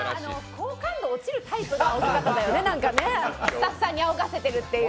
高感度落ちるタイプなんだよね、スタッフさんにあおがせてるという。